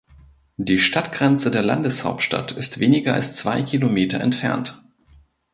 Die Stadtgrenze der Landeshauptstadt ist weniger als zwei Kilometer entfernt.